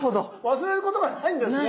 忘れることがないんですね。